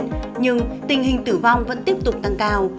nhưng tình hình tử vong vẫn tiếp tục tăng cao